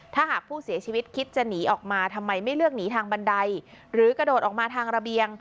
ถ้าหากผู้เสียชีวิตคิดจะหนีออกมาทำไมไม่เลือกหนีทางบันไดหรือกระโดดออกมาทางระเบียง